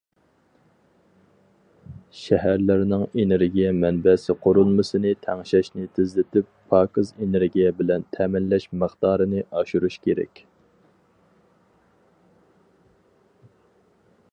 شەھەرلەرنىڭ ئېنېرگىيە مەنبەسى قۇرۇلمىسىنى تەڭشەشنى تېزلىتىپ، پاكىز ئېنېرگىيە بىلەن تەمىنلەش مىقدارىنى ئاشۇرۇش كېرەك.